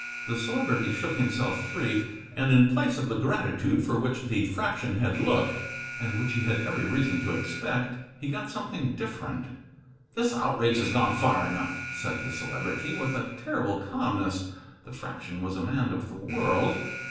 The Celebrity shook himself free. And in place of the gratitude for which the Fraction had looked, and which he had every reason to expect, he got something different. "This outrage has gone far enough," said the Celebrity, with a terrible calmness. The Fraction was a man of the world.